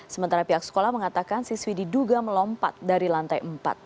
sementara pihak sekolah mengatakan siswi diduga melompat dari lantai empat